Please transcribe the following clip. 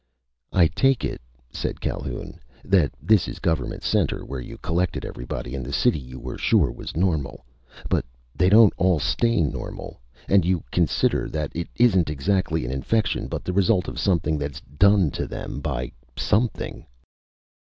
"I take it," said Calhoun, "that this is Government Center, where you collected everybody in the city you were sure was normal. But they don't all stay normal. And you consider that it isn't exactly an infection but the result of something that's done to them by Something."